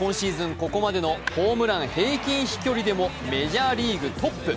ここまでのホームラン平均飛距離でもメジャーリーグトップ。